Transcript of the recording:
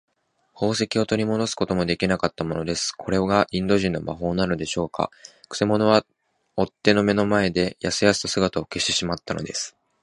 宝石をとりもどすこともできなかったのです。これがインド人の魔法なのでしょうか。くせ者は追っ手の目の前で、やすやすと姿を消してしまったのです。